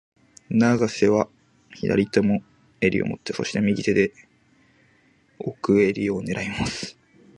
永瀬は左手も襟を持って、そして、右手で奥襟を狙います。